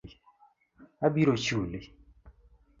Abiro chuli.